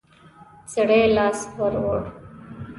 سړي لاس ور ووړ.